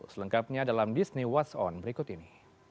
selengkapnya dalam disney watch on berikut ini